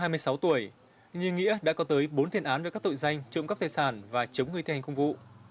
mới hai mươi sáu tuổi nhiên nghĩa đã có tới bốn thiên án về các tội danh trộm gắp tài sản và chống người thi hành công vụ